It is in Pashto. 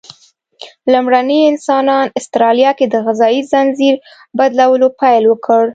لومړني انسانان استرالیا کې د غذایي ځنځیر بدلولو پیل وکړ.